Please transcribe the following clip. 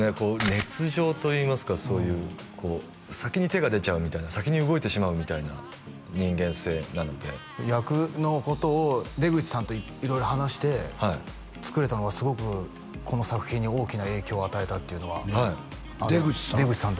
熱情といいますかそういうこう先に手が出ちゃうみたいな先に動いてしまうみたいな人間性なので役のことを出口さんと色々話して作れたのがすごくこの作品に大きな影響を与えたっていうのははい出口さん？